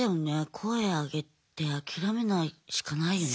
声あげて諦めないしかないよね。